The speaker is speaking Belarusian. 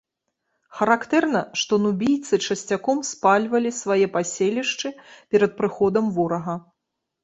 Характэрна, што нубійцы часцяком спальвалі свае паселішчы перад прыходам ворага.